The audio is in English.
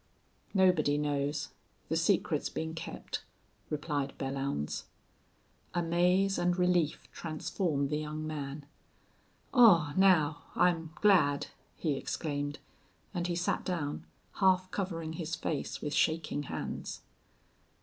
"Nobody knows. The secret's been kept." replied Belllounds. Amaze and relief transformed the young man. "Aw, now, I'm glad " he exclaimed, and he sat down, half covering his face with shaking hands.